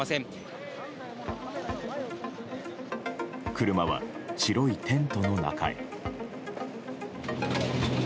車は白いテントの中へ。